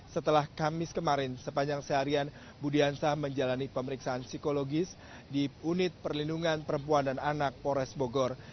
setelah kamis kemarin sepanjang seharian budiansah menjalani pemeriksaan psikologis di unit perlindungan perempuan dan anak pores bogor